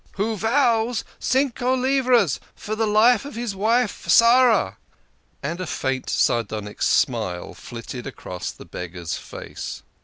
" Who vows cinco livras for the life of his wife, Sarah !" And a faint sardonic smile flitted across the Beggar's face.